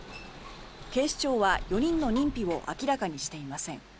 警視庁は４人の認否を明らかにしていません。